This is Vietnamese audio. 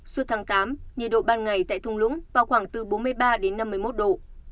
suốt tháng tám nhiệt độ ban ngày tại thung lũng vào khoảng từ bốn mươi ba đến năm mươi một độ